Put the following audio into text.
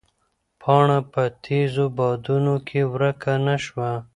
پاڼه په تېزو بادونو کې ورکه نه شوه.